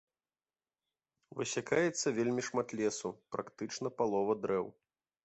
Высякаецца вельмі шмат лесу, практычна палова дрэў.